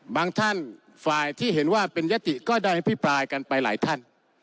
ท่านฝ่ายที่เห็นว่าเป็นยติก็ได้อภิปรายกันไปหลายท่าน